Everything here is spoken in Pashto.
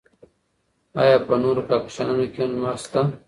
ایا په نورو کهکشانونو کې هم لمر شته؟